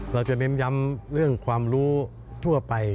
เราจะเน้นย้ำเรื่องความรู้ทั่วไป